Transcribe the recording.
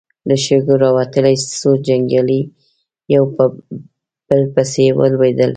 له شګو راوتلې څو جنګيالي يو په بل پسې ولوېدل.